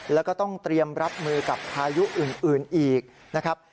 แล้วก็ต้องเตรียมรับมือกับพายุอื่นอีกนะครับ